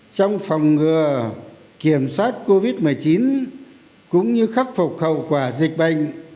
trong phòng ngừa kiểm soát covid một mươi chín cũng như khắc phục hậu quả dịch bệnh